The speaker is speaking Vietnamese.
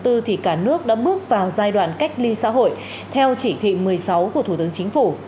thì cả nước đã bước vào giai đoạn cách ly xã hội theo chỉ thị một mươi sáu của thủ tướng chính phủ